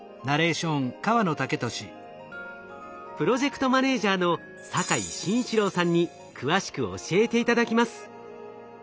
プロジェクトマネージャの坂井真一郎さんに詳しく教えて頂きます。